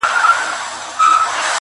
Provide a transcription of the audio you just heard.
خلاصه خوله کي دوه غاښونه ځلېدلي؛